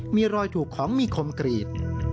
มีรอยถูกของมีคมกรีด